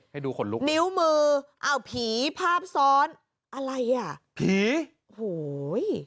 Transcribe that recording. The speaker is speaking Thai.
ให้ดูขนลุกนิ้วมืออ้าวผีภาพซ้อนอะไรอ่ะผีโอ้โห